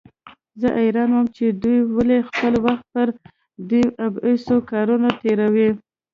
زه حيران وم چې دوى ولې خپل وخت پر دې عبثو کارونو تېروي.